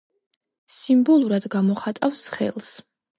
სიმბოლურად გამოხატავს ხელს.